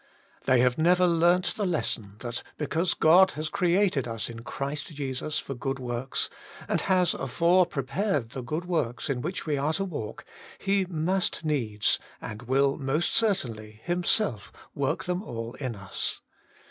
They have never learnt the lesson, that because God has created us in Christ Jesus for good works, and has afore pre pared the good works in which we are to walk, He must needs, and will most cer tainly. Himself work them all in us.